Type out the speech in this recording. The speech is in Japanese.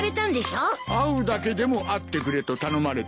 会うだけでも会ってくれと頼まれてな。